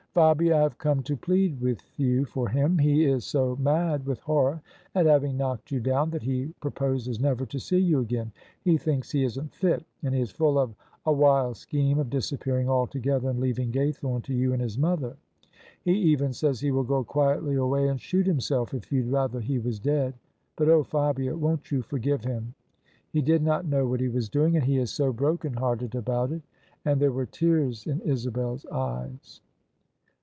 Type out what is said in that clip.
" Fabia, I have come to plead with you for him. He is so mad with horror at having knocked you down that he proposes never to see you again: he thinks he isn't fit: and he is full of a wild scheme of disappearing altogether, and leaving Gaythorne to you and his mother. He even says he will go quietly away and shoot himself if you'd rather he was dead. But, oh Fabia! won't you forgive him? He did not know what he was doing, and he is so broken hearted about it." And there were tears in Isabel's eyes.